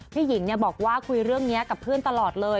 พี่หญิงบอกว่าคุยเรื่องนี้กับเพื่อนตลอดเลย